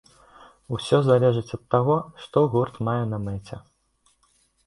Усё залежыць ад таго, што гурт мае на мэце.